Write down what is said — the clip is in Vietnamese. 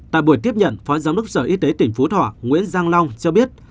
tại buổi tiếp nhận phó giám đốc sở y tế tỉnh phú thọ nguyễn giang long cho biết